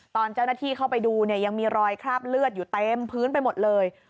ตอนเจ้าหน้าที่เข้าไปดูเนี่ยยังมีรอยคราบเลือดอยู่เต็มพื้นไปหมดเลย